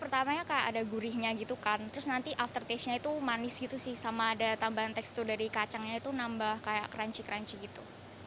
pertamanya kayak ada gurihnya gitu kan terus nanti aftertage nya itu manis gitu sih sama ada tambahan tekstur dari kacangnya itu nambah kayak crunchy crunchy gitu